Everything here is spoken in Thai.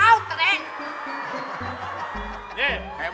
อยากให้เขาเหว่า